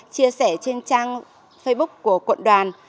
chia sẻ trên trang facebook của quận đoàn